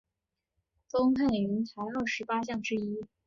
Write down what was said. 东汉云台二十八将之一。